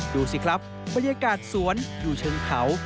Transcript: ดูสิครับบรรยากาศสวนอยู่เชิงเขา